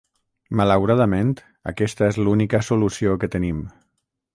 Malauradament, aquesta és l'única solució que tenim.